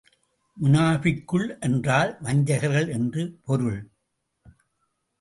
முனாபிக்குள் என்றால் வஞ்சகர்கள் என்று பொருள்.